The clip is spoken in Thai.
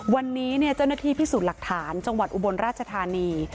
วันนี้เจ้าหน้าที่พิสูจน์หลักฐานจังหวัดอุบลราชธานี